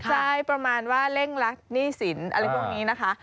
ใช่ประมาณว่าเร่งรักหนี้สินอะไรพวกนี้นะคะ